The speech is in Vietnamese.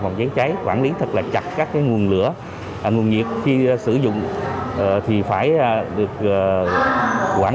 phòng cháy cháy quản lý thật là chặt các nguồn lửa nguồn nhiệt khi sử dụng thì phải được quản